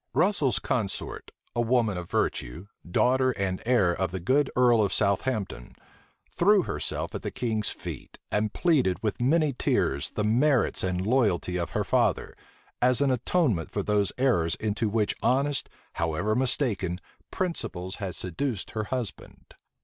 Russel's consort, a woman of virtue, daughter and heir of the good earl of Southampton, threw herself at the king's feet and pleaded with many tears the merits and loyalty of her father, as an atonement for those errors into which honest, however mistaken, principles had seduced her husband.